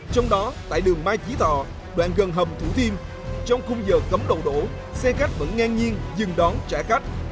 trong đó tại đường mai chí thọ đoạn gần hầm thủ thiêm trong khung giờ cấm đầu đổ xe khách vẫn ngang nhiên dừng đón trả khách